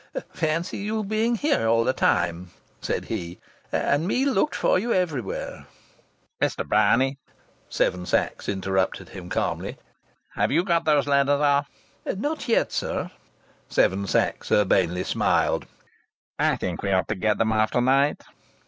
"Fancy your being here all the time!" said he. "And me looked for you everywhere " "Mr. Bryany," Seven Sachs interrupted him calmly, "have you got those letters off?" "Not yet, sir." Seven Sachs urbanely smiled. "I think we ought to get them off to night."